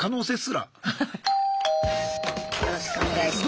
よろしくお願いします。